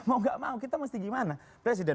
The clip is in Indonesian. mau gak mau kita mesti gimana presiden